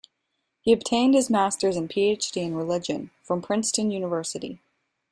He obtained his master's and Ph.D in religion, from Princeton University.